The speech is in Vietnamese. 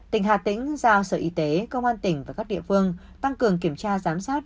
tỉnh hà tĩnh giao sở y tế công an tỉnh và các địa phương tăng cường kiểm tra giám sát